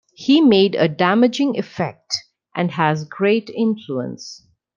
He made a damaging effect, and has great influence.